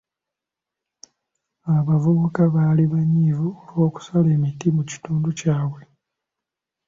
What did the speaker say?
Abavubuka baali banyiivu olw'okusala emiti mu kitundu kyabwe.